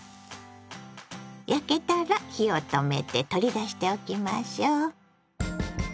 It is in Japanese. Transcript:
焼けたら火を止めて取り出しておきましょう。